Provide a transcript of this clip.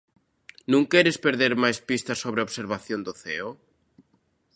Non queres perder máis pistas sobre a observación do ceo?